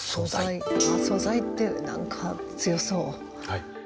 あっ素材って何か強そう。